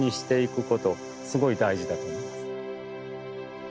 すごい大事だと思います。